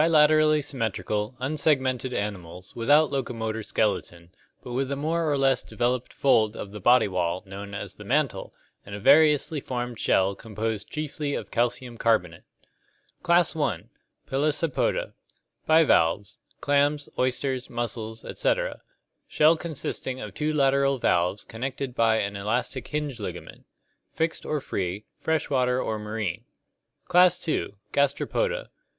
Bilaterally symmetrical, unsegmented animals, without locomotor skeleton, but with a more or less developed fold of the body wall known as the mantle, and a variously formed shell composed chiefly of calcium carbonate. Class I. Pelecypoda (Gr. ttcXckus, hatchet, and irovsy foot). Bivalves; clams, oysters, mussels, etc. Shell consisting of two lateral valves con nected by an elastic hinge ligament. Fixed or free, fresh water or marine. Class II. Gastropoda (Gr. yaonyp, stomach, and irovs, foot).